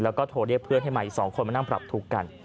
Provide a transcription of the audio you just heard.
แล้วก็โทรเรียกเพื่อนให้มาอีก๒คนมานั่งปรับทุกข์กัน